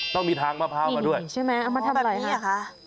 ต้องมีทางมะพร้าวมาด้วยนี่เห็นใช่ไหมเอามาทำอะไรครับอ๋อแบบนี้ค่ะ